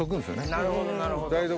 なるほどなるほど。